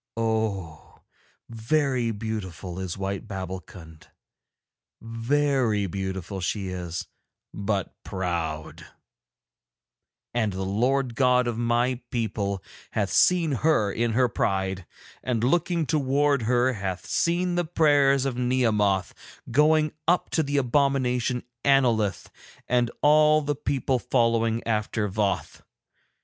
Oh! very beautiful is white Babbulkund, very beautiful she is, but proud; and the Lord the God of my people hath seen her in her pride, and looking towards her hath seen the prayers of Nehemoth going up to the abomination Annolith and all the people following after Voth.